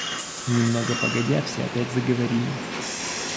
Немного погодя все опять заговорили.